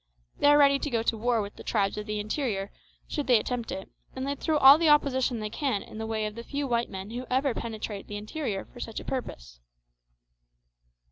They are ready to go to war with the tribes of the interior, should they attempt it, and they throw all the opposition they can in the way of the few white men who ever penetrate the interior for such a purpose.